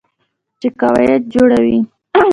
چې قواعد جوړوي.